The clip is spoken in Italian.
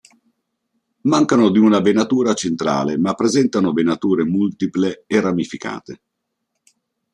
Mancano di una venatura centrale ma presentano venature multiple e ramificate.